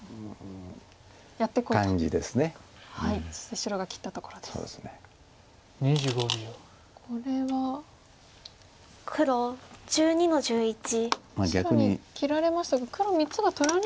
白に切られましたが黒３つが取られることはない。